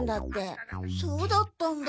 そうだったんだ。